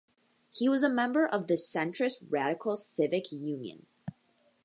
He was a member of the centrist Radical Civic Union.